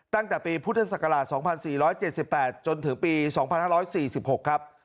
ตั้งแต่ปีพุทธศักราช๒๔๗๘จนถึงปี๒๕๔๖ครับ